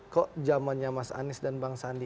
kok zamannya mas anies dan bang sandi